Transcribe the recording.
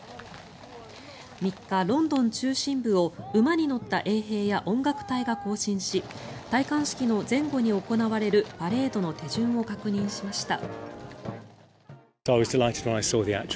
３日、ロンドン中心部を馬に乗った衛兵や音楽隊が行進し戴冠式の前後に行われるパレードの手順を確認しました。